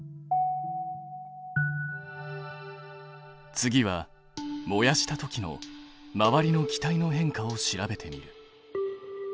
次は燃やしたときの周りの気体の変化を調べてみる。